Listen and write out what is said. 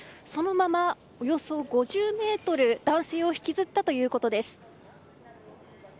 そのまま、およそ５０ｍ男性を引きずったということです。